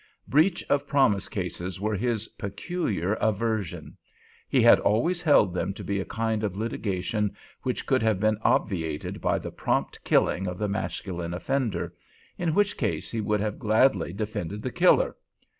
Breach of promise cases were his peculiar aversion. He had always held them to be a kind of litigation which could have been obviated by the prompt killing of the masculine offender—in which case he would have gladly defended the killer.